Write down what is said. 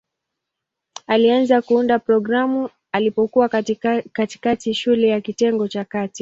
Alianza kuunda programu alipokuwa katikati shule ya kitengo cha kati.